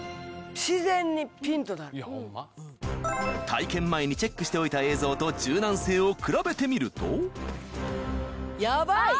体験前にチェックしておいた映像と柔軟性を比べてみるとヤバい！